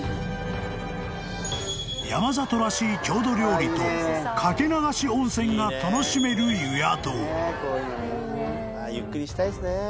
［山里らしい郷土料理とかけ流し温泉が楽しめる湯宿］